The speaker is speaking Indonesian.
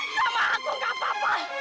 sama aku gak apa apa